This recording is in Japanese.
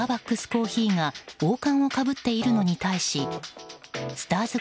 コーヒーが王冠をかぶっているのに対しスターズ